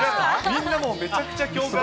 みんなめちゃくちゃ共感。